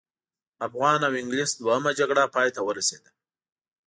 افغان او انګلیس دوهمه جګړه پای ته ورسېده.